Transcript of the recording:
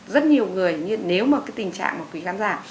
rất nhiều người nếu mà cái tình trạng